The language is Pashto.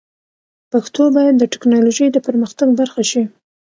پښتو باید د ټکنالوژۍ د پرمختګ برخه شي.